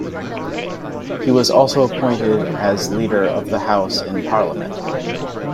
He was also appointed as Leader of the House in Parliament.